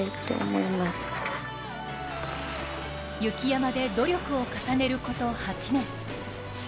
雪山で努力を重ねること８年。